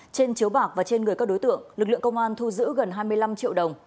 trên chiếu bạc và trên người các đối tượng lực lượng công an thu giữ gần hai mươi năm triệu đồng